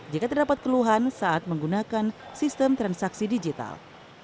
jika terdapat keluhan saat menggunakan sistem transaksi digital